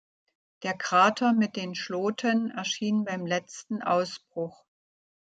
Der Krater mit den Schloten erschien beim letzten Ausbruch.